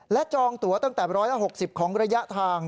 และจองตัวตั้งแต่๑๖๐ของระยะทาง